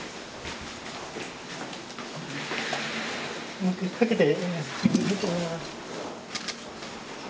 もう一回かけて。